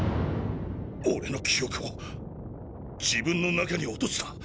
俺の記憶を自分の中に落とした！